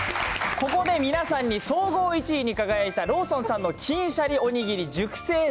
ここで皆さんに、総合１位に輝いた、ローソンさんの金しゃりおにぎり熟成